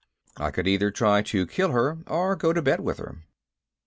I could try either to kill her or go to bed with her.